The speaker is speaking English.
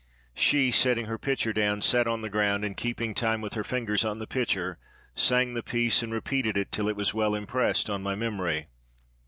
She, setting her pitcher down, sat on the ground and, keeping time with her fingers on the pitcher, sang the piece, and repeated it till it was well impressed on my memory.